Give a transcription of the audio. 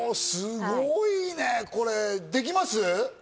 すごいね、これ、できます？